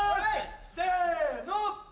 せの。